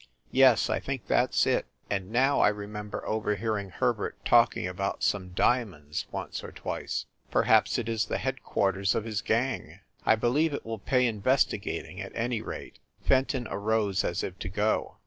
"Yes, I think that s it. And now I remember overhearing Herbert talking about some diamonds, once or twice." "Perhaps it is the headquarters of his gang. I believe it will pay investigating, at any rate." Fen ton arose as if to go.